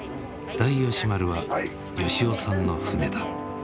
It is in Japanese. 大吉丸は吉男さんの船だ。